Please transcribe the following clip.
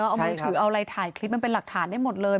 เอามือถือเอาอะไรถ่ายคลิปมันเป็นหลักฐานได้หมดเลย